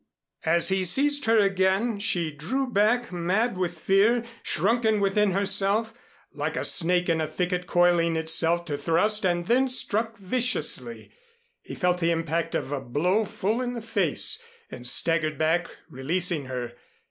_" As he seized her again, she drew back, mad with fear, shrunken within herself, like a snake in a thicket coiling itself to thrust and then struck viciously. He felt the impact of a blow full in the face and staggered back releasing her.